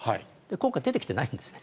今回、出てきてないんですね。